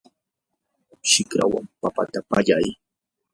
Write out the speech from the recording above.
shikraman papata pallay.